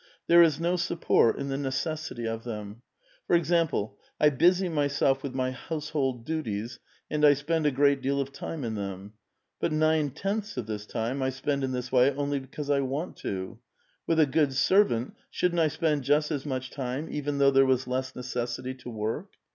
There is no support in the necessity of them. For example, I busy myself with my household duties,^ and I spend a great deal of time in them ; but nine tenths of this time 1 spend in this way only because 1 want to. With a good servant, shouldn't I spend just as much time, even though there was less necessity to work?